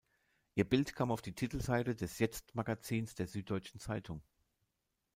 Ihr Bild kam auf die Titelseite des Jetzt-Magazins der Süddeutschen Zeitung.